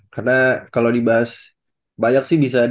karena kalo dibahas banyak sih bisa